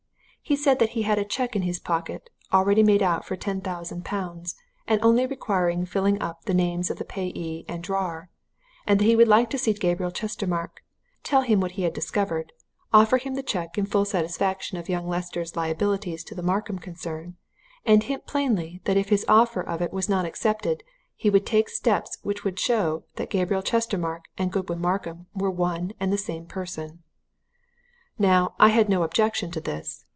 He said that he had a cheque in his pocket, already made out for ten thousand pounds, and only requiring filling up with the names of payee and drawer; he would like to see Gabriel Chestermarke, tell him what he had discovered, offer him the cheque in full satisfaction of young Lester's liabilities to the Markham concern, and hint plainly that if his offer of it was not accepted, he would take steps which would show that Gabriel Chestermarke and Godwin Markham were one and the same person. "Now, I had no objection to this.